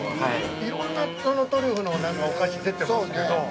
いろんなトリュフのお菓子出てますけど。